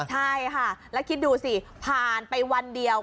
ใช่ค่ะแล้วคิดดูสิผ่านไปวันเดียว